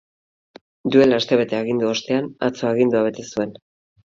Duela astebete agindu ostean, atzo agindua bete zuen.